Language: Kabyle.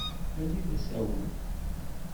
Ali d asawen.